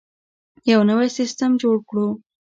یو نوی سیستم جوړ کړو.